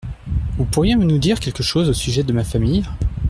Vous pourriez nous dire quelque chose au sujet de ma famille ?